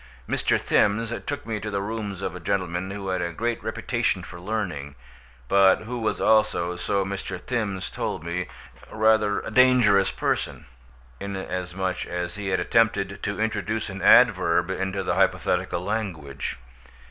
Mr. Thims took me to the rooms of a gentleman who had a great reputation for learning, but who was also, so Mr. Thims told me, rather a dangerous person, inasmuch as he had attempted to introduce an adverb into the hypothetical language.